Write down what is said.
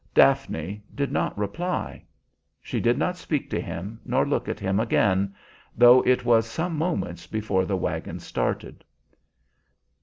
Daphne did not reply; she did not speak to him nor look at him again, though it was some moments before the wagon started.